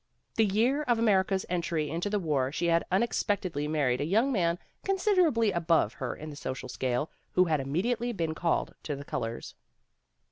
The year of America's entry into the war she had unexpectedly married a young man considerably above her in the social scale, who had immediately been called to the colors.